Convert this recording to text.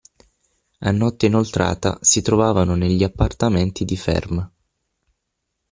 A notte inoltrata si trovavano negli appartamenti di Ferm.